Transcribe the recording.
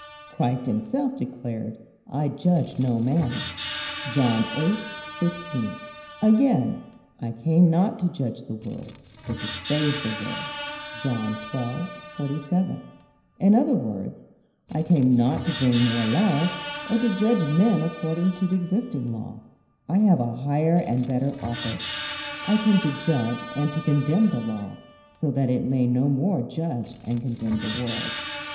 Christ himself declared: "I judge no man." (John 8:15.) Again, "I came not to judge the world, but to save the world." (John 12:47.) In other words: "I came not to bring more laws, or to judge men according to the existing Law. I have a higher and better office. I came to judge and to condemn the Law, so that it may no more judge and condemn the world."